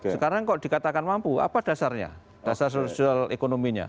sekarang kok dikatakan mampu apa dasarnya dasar sosial ekonominya